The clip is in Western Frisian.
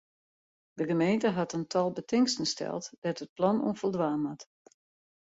De gemeente hat in tal betingsten steld dêr't it plan oan foldwaan moat.